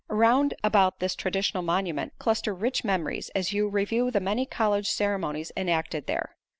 Around about this traditional monument cluster rich memories as you review the many college ceremonies enacted there.